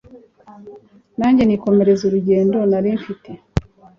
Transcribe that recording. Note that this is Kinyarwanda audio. nanjye nikomereza urugendonarimfite